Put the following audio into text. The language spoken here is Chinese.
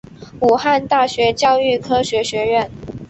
武汉大学教育科学学院